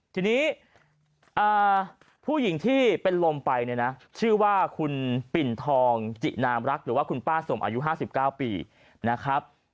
ทีนี้ผู้หญิงที่เป็นลมไปเนี่ยนะชื่อว่าคุณปิ่นทองจินามรักหรือว่าคุณป้าสมอายุ๕๙ปีนะครับ